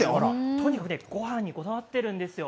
とにかくごはんにこだわっているんですよ。